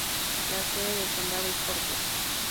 La sede del condado es Cortez.